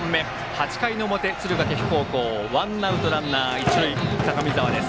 ８回表の敦賀気比高校ワンアウトランナー、一塁高見澤です。